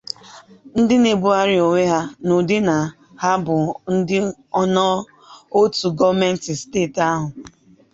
ndị na-ebugharị onwe ha n'ụdị na ha bụ ndị ọna ụtụ gọọmenti steeti ahụ.